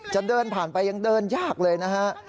จะเดินผ่านไปยังเดินยากเลยนะฮะ